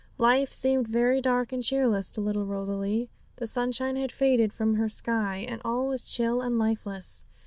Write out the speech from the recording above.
Life seemed very dark and cheerless to little Rosalie. The sunshine had faded from her sky, and all was chill and lifeless.